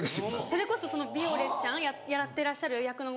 それこそヴィオレちゃんやってらっしゃる役の。